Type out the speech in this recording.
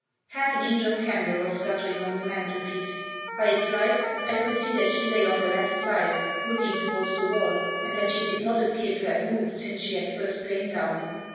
Half an inch of candle was guttering on the mantelpiece. By its light I could see that she lay on her left side, looking to wards the wall, and that she did not appear to have moved since she had first lain down.